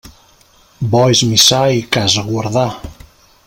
Bo és missar i casa guardar.